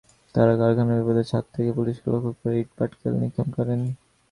তাঁরা কারখানার ভবনের ছাদ থেকে পুলিশকে লক্ষ্য করে ইটপাটকেল নিক্ষেপ করেন।